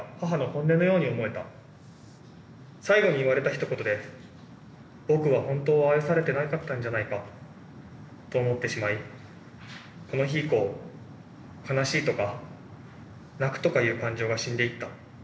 最後に言われたひと言で「僕は本当は愛されてなかったんじゃないか？」と思ってしまいこの日以降悲しいとか泣くとかいう感情が死んでいった。